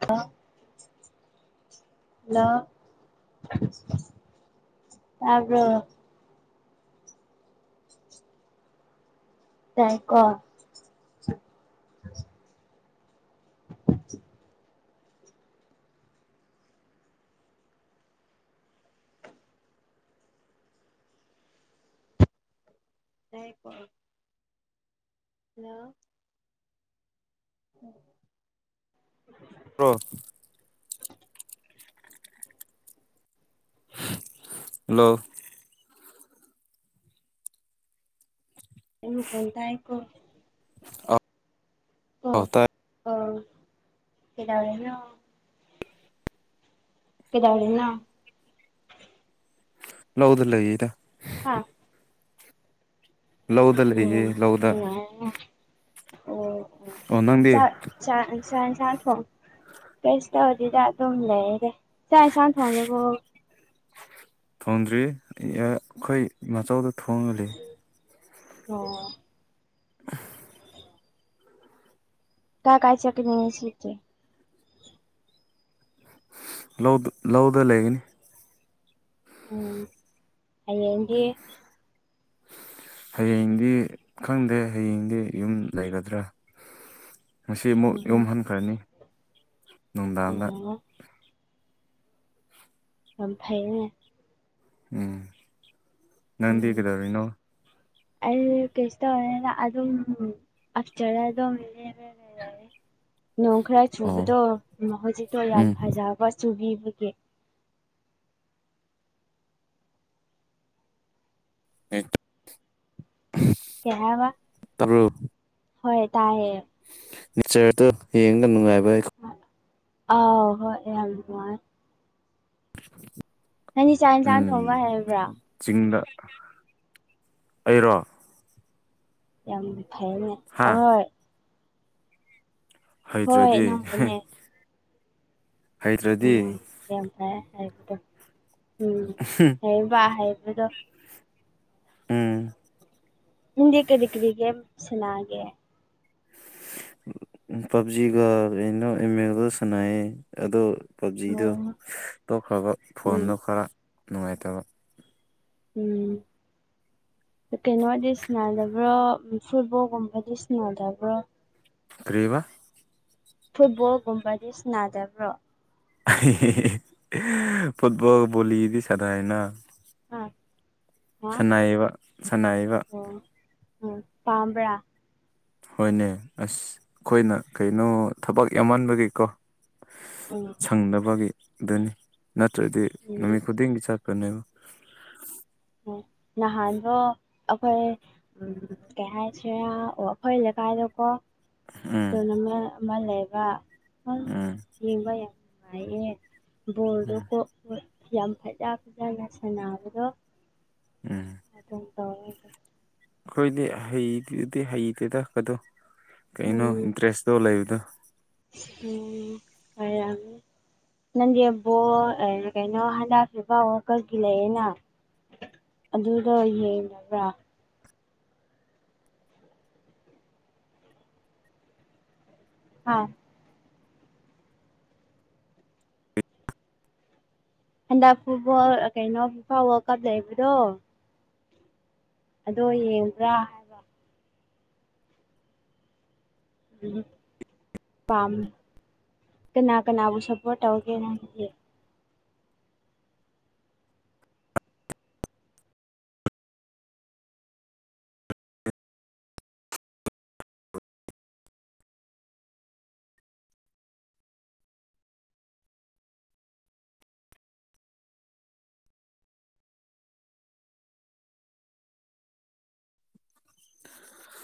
ꯑ ꯍꯜꯂꯣ ꯌꯥꯕ꯭ꯔꯣ ꯇꯥꯏ ꯀꯣ [unintelligible] ꯌꯥ ꯀꯣ ꯍꯂꯣ ꯎꯝ ꯔꯣ ꯍꯜꯂꯣ [unintelligible] ꯇꯥꯏꯌꯦꯀꯣ ꯑ ꯀꯣ ꯇꯥꯏ ꯑꯣ ꯀꯩꯗꯧꯔꯤꯅꯣ ꯀꯗꯧꯔꯤꯅꯣ ꯂꯧꯗ ꯂꯩꯗ ꯍꯥꯥ ꯂꯧꯗ ꯑꯣ ꯂꯩꯌꯦ ꯂꯧꯗ ꯅꯨꯡꯉꯥꯏꯔꯦ ꯑꯣ ꯑꯣ ꯑꯣ ꯅꯪꯗꯤ ꯆ ꯆ ꯆ ꯆꯥꯡ ꯊꯣꯡ ꯀꯩꯁꯨ ꯇꯧꯗꯦꯗ ꯑꯗꯨꯝ ꯂꯩꯌꯦꯗ ꯆꯥꯛ ꯏꯟꯁꯥꯡ ꯊꯣꯡꯉꯕꯣ ꯊꯣꯡꯗ꯭ꯔꯤ ꯑꯩꯈꯣꯏ ꯃꯆꯧꯗ ꯊꯣꯡꯉꯜꯂꯤ ꯑꯣ [unintelligible] ꯀꯥ ꯀꯥꯏ ꯆꯠꯀꯤꯅꯣ ꯉꯁꯤꯗꯤ ꯂꯧ ꯂꯧꯗ ꯂꯩꯒꯅꯤ ꯎꯝ ꯍꯌꯦꯡꯗꯤ ꯍꯌꯦꯡꯗꯤ ꯈꯪꯗꯦ ꯍꯌꯦꯡꯗꯤ ꯌꯨꯝ ꯂꯩꯒꯗ꯭ꯔꯥ ꯉꯁꯤ ꯑꯃꯨꯛ ꯎꯝ ꯌꯨꯝꯍꯟꯈ꯭ꯔꯅꯤ ꯅꯨꯡꯗꯥꯡꯗ ꯑꯣ ꯌꯥꯝ ꯐꯩꯅꯦ ꯎꯝ ꯅꯪꯗꯤ ꯎꯝ ꯀꯩꯗꯧꯔꯤꯅꯣ ꯑꯩ ꯀꯩꯁꯨ ꯇꯧꯗꯦꯗ ꯑꯗꯨꯝ ꯑꯁꯇꯔꯗ ꯑꯗꯨꯝ [unintelligible] ꯅꯣꯡ ꯈꯔ ꯑꯣ ꯆꯨꯕꯗꯣ ꯍꯧꯖꯤꯛꯇꯣ ꯌꯥꯝ ꯎꯝ ꯐꯖꯕ ꯆꯨꯕꯤꯕꯒꯤ꯫ [unintelligible] ꯀꯩꯍꯥꯏꯕ ꯇꯥꯕ꯭ꯔꯣ ꯍꯣꯏ ꯇꯥꯌꯦ꯫ ꯅꯦꯆꯔꯗꯣ ꯌꯦꯡꯉꯒ ꯅꯨꯡꯉꯥꯏꯕ ꯑꯩ ꯑꯧ ꯍꯣꯏ ꯌꯥꯝ ꯅꯨꯡꯉꯥꯏ꯫ ꯅꯪꯗꯤ ꯆꯥꯛ ꯌꯦꯟꯁꯥꯡ ꯊꯣꯡꯕ ꯎꯝ꯫ ꯍꯩꯕ꯭ꯔꯥ ꯆꯤꯡꯗ ꯑꯩꯔꯣ꯫ ꯌꯥꯝ ꯐꯩꯅꯦ ꯍꯥ ꯑꯣꯏ꯫ ꯍꯣꯏ ꯍꯩꯇ꯭ꯔꯗꯤ ꯅꯪꯕꯨꯅꯦ꯫ ꯍꯩꯇ꯭ꯔꯗꯤ꯫ ꯎꯝ ꯌꯥꯝ ꯐꯩꯌꯦ ꯍꯩꯕꯗꯣ ꯎꯝ ꯐꯩꯌꯦꯕ ꯍꯩꯕꯗꯣ꯫ ꯎꯝ꯫ ꯅꯪꯗꯤ ꯀꯔꯤ ꯀꯔꯤ ꯒꯦꯝ ꯁꯅꯥꯒꯦ꯫ ꯎꯝ ꯄꯞꯖꯤꯒ ꯀꯩꯅꯣ ꯑꯦꯝ ꯑꯦꯜꯒ ꯁꯅꯥꯌꯦ ꯑꯗꯣ ꯄꯨꯕꯖꯤꯗꯨ ꯑꯣ ꯇꯣꯛꯈ꯭ꯔꯕ ꯎꯝ ꯐꯣꯟꯗꯣ ꯈꯔ ꯅꯨꯡꯉꯥꯏꯇꯕ꯫ ꯎꯝ꯫ ꯀꯩꯅꯣꯗꯤ ꯁꯟꯅꯥꯗꯕ꯭ꯔꯣ ꯎ ꯐꯨꯠꯕꯣꯜꯒꯨꯝꯕꯗꯤ ꯁꯟꯅꯥꯗꯕ꯭ꯔꯣ꯫ ꯀ꯭ꯔꯤꯕ꯫ ꯐꯨꯠꯕꯣꯜꯒꯨꯝꯕꯗꯤ ꯁꯅꯥꯗꯕ꯭ꯔꯣ꯫ ꯐꯨꯠꯕꯣꯜ ꯕꯣꯂꯤꯗꯤ ꯁꯅꯥꯌꯦꯅ꯫ ꯑꯥ꯫ ꯍꯥ ꯁꯅꯥꯏꯕ-ꯁꯅꯥꯏꯕ꯫ ꯑꯣ ꯎꯝ ꯄꯥꯝꯕ꯭ꯔꯥ꯫ ꯍꯣꯏꯅꯦ ꯑꯁ ꯑꯩꯈꯣꯏꯅ ꯀꯩꯅꯣ ꯊꯕꯛ ꯌꯥꯝꯃꯟꯕꯒꯤꯀꯣ꯫ ꯎꯝ ꯁꯪꯗꯕꯒꯤ ꯗꯨꯅꯤ ꯅꯠꯇ꯭ꯔꯗꯤ ꯎꯝ ꯅꯨꯃꯤꯠ ꯈꯨꯗꯤꯡꯒꯤ ꯆꯠꯀꯅꯤꯕ꯫ [unintelligible] ꯅꯍꯥꯟꯗꯣ ꯑꯩꯈꯣꯏ꯫ [inaudible] ꯀꯩ ꯍꯥꯏꯁꯦꯔꯥ ꯑꯣ ꯑꯩꯈꯣꯏ ꯂꯩꯀꯥꯏꯗꯀꯣ꯫ ꯎꯝ ꯇꯣꯔꯅꯥꯃꯦꯟ ꯑꯃ ꯂꯩꯕ [unintelligible] ꯎꯝ꯫ ꯌ‍ꯦꯡꯕ ꯌꯥꯝ ꯅꯨꯡꯉꯥꯏꯌꯦ ꯎꯝ ꯕꯣꯜꯗꯨꯀ‌ꯣ꯫ [unintelligible] ꯌꯥꯝ ꯐꯖ-ꯐꯖꯅ ꯁꯥꯟꯅꯕꯗꯣ꯫ ꯎꯝ꯫ ꯑꯗꯨꯝ [unintelligible] ꯑꯩꯈꯣꯏꯗꯤ ꯍꯩꯗꯤ ꯍꯩꯇꯦꯗ ꯀꯗꯣ ꯀꯩꯅꯣ ꯎꯝ ꯏꯟꯇꯔꯦꯁꯇꯣ ꯂꯩꯕꯗꯣ꯫ ꯎꯝ ꯍꯩꯔꯝꯅꯤ꯫ ꯅꯪꯒꯤ ꯕꯣ ꯑꯦ ꯀꯩꯅꯣ ꯍꯟꯗꯛ ꯐꯤꯐꯥ ꯋꯜꯀꯞꯀꯤ ꯂꯩꯌꯦꯅ꯫ ꯑꯗꯨꯗ‌ꯣ ꯌꯦꯡꯗꯕ꯭ꯔꯥ꯫ ꯍꯥꯥ꯫ ꯍꯟꯗꯛ ꯐꯨꯠꯕꯣꯜ ꯀꯩꯅꯣ ꯐꯤꯐꯥ ꯋꯥꯔꯜꯗ ꯀꯥꯞ ꯂꯩꯕꯗꯣ꯫ ꯑꯗꯣ ꯌꯦꯡꯕ꯭ꯔꯥ ꯍꯥꯏ ꯎꯝ ꯄꯥꯝ ꯀꯅꯥ ꯀꯅꯥꯕꯨ ꯁꯞꯄꯣꯔꯠ ꯇꯧꯒꯦ ꯅꯪꯗꯤ꯫ [inaudible]